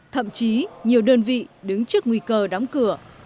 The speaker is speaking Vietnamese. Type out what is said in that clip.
thậm chí nhiều đơn vị đứng trước nguy cơ đóng cửa